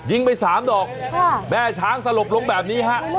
ยิงไปสามดอกค่ะแม่ช้างสลบลงแบบนี้ฮะ